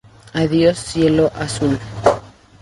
Adiós, cielo azul.